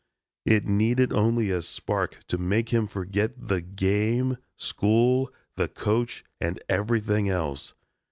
It needed only a spark to make him forget the game, school, the coach and everything else.